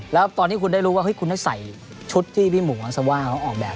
แล้วตอนที่คุณได้รู้ว่าคุณได้ใส่ชุดที่พี่หมูอันซาว่าเขาออกแบบ